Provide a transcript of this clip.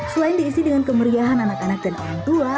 selain diisi dengan kemeriahan anak anak dan orang tua